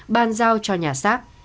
ban giao cho nhà xác